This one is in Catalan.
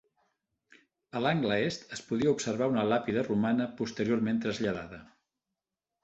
A l'angle est es podia observar una làpida romana posteriorment traslladada.